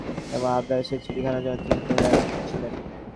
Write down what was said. রাজলক্ষ্মী তাঁহার ছেলের অভিমান এবং আবদারের সেই চিঠিখানির জন্য তৃষিত হইয়া ছিলেন।